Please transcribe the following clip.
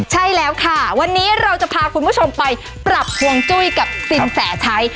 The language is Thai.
ใช่แล้วค่ะวันนี้เราจะพาคุณผู้ชมไปปรับฮวงจุ้ยกับสินแสชัย